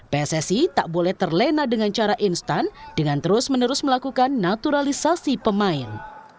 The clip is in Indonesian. pssi tak boleh terlena dengan cara instan dengan terus menerus melakukan naturalisasi pemain